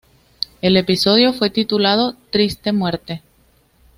El episodio fue titulado "Triste Muerte".